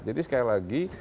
jadi sekali lagi